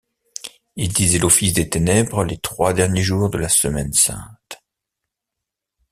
Ils disaient l'office des Ténèbres les trois derniers jours de la Semaine Sainte.